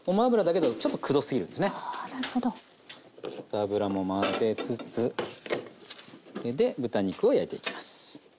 油も混ぜつつこれで豚肉を焼いていきます。